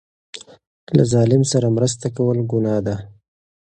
له ظالم سره مرسته کول ګناه ده.